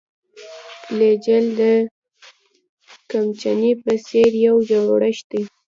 فلاجیل د قمچینې په څېر یو جوړښت دی.